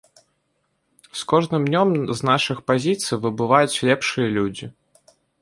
З кожным днём з нашых пазіцый выбываюць лепшыя людзі.